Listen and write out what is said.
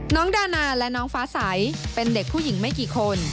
ดานาและน้องฟ้าใสเป็นเด็กผู้หญิงไม่กี่คน